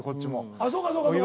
あっそうかそうかそうか。